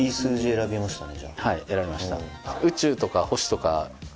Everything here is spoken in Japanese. はい選びました。